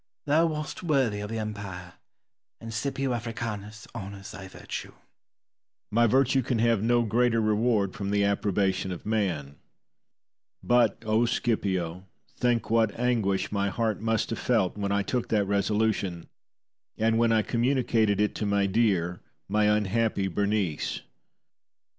Thou wast worthy of the empire, and Scipio Africanus honours thy virtue. Titus. My virtue can have no greater reward from the approbation of man. But, O Scipio, think what anguish my heart must have felt when I took that resolution, and when I communicated it to my dear, my unhappy Berenice.